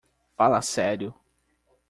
Fala sério!